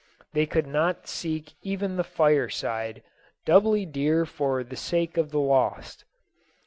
They could not seek even the fire side, doubly dear for the sake of the lost.